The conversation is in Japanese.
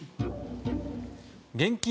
現金